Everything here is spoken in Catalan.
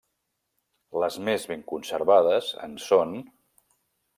Les més ben conservades en són: